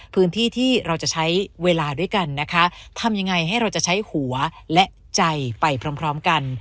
พื้นที่ที่เราจะใช้เวลาด้วยกันนะคะทำยังไงให้เราจะใช้หัวและใจไปพร้อมพร้อมกัน